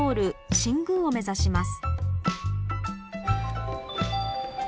新宮を目指します。